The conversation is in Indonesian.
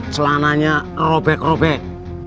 celananya robek robek